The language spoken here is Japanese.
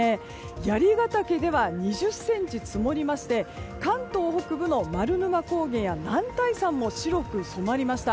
槍ヶ岳では２０ｃｍ積もりまして関東北部の丸沼高原や男体山も白く染まりました。